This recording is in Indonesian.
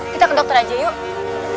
kita ke dokter aja yuk